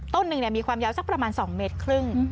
ต้นหนึ่งมีความยาวสักประมาณ๒เมตรครึ่ง